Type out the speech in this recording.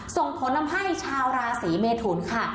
ส่งผลทำให้ชาวราศีเมทุนค่ะ